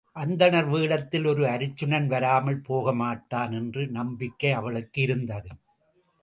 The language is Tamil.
அந்தணர் வேடத்தில் ஒரு அருச்சுனன் வராமல் போகமாட்டான் என்ற நம்பிக்கை அவளுக்கு இருந்தது.